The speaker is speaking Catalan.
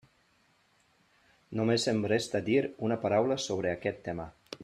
Només em resta dir una paraula sobre aquest tema.